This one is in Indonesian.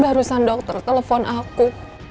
barusan dokter telepon aku